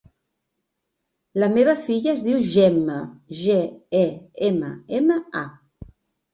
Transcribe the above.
La meva filla es diu Gemma: ge, e, ema, ema, a.